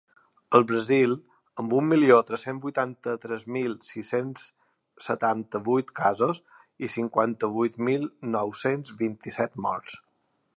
El Brasil, amb un milió tres-cents vuitanta-tres mil sis-cents setanta-vuit casos i cinquanta-vuit mil nou-cents vint-i-set morts.